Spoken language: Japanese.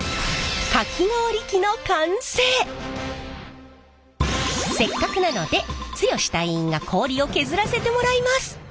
せっかくなので剛隊員が氷を削らせてもらいます。